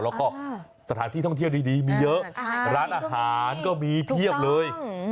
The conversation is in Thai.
แล้วก็สถานที่ท่องเที่ยวดีมีเยอะร้านอาหารก็มีเพียบเลย